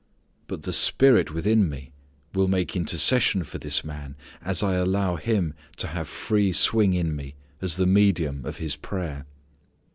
But the Spirit within me will make intercession for this man as I allow Him to have free swing in me as the medium of His prayer.